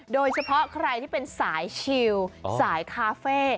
โดยเฉพาะใครที่เป็นสายชิลสายคาเฟ่